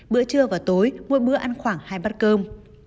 bữa trưa và tối mỗi bữa ăn khoảng hai bát cơm